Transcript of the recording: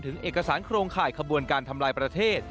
เอกสารโครงข่ายขบวนการทำลายประเทศ